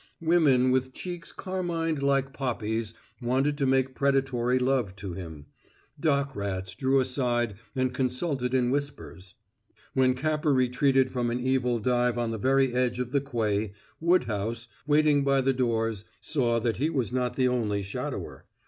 Women with cheeks carmined like poppies wanted to make predatory love to him; dock rats drew aside and consulted in whispers. When Capper retreated from an evil dive on the very edge of the Quai, Woodhouse, waiting by the doors, saw that he was not the only shadower.